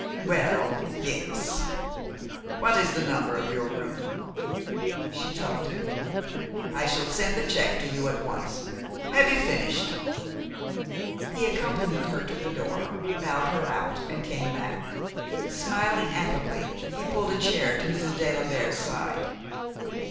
"Well yes. What is the number of your room?" She told him. "I shall send the check to you at once. Have you finished?" He accompanied her to the door, bowed her out, and came back. Smiling affably, he pulled a chair to Mrs. de la Vere's side.